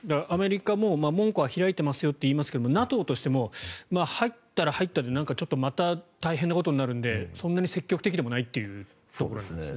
アメリカも門戸は開いてますよって言ってますけどＮＡＴＯとしても入ったら入ったでまた大変なことになるのでそんなに積極的ではないというところですね。